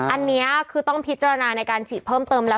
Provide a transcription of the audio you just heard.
อันนี้คือต้องพิจารณาในการฉีดเพิ่มเติมแล้ว